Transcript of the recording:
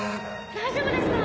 大丈夫ですか？